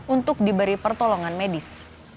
untuk diberi pertolongan medis